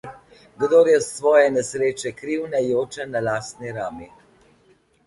Kdor je svoje nesreče kriv, naj joče na lastni rami.